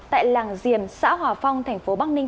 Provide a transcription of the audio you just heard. tại làng diềm xã hòa phong thành phố bắc ninh